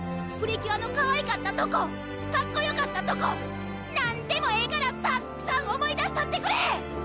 プリキュアのかわいかったとこかっこよかったとこ何でもええからたっくさん思い出したってくれ！